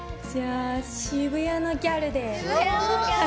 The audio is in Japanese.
「渋谷のギャル」で。